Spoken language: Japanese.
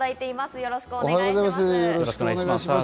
よろしくお願いします。